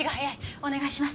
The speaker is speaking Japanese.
お願いします。